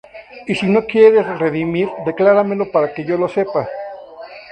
y si no quisieres redimir, decláramelo para que yo lo sepa: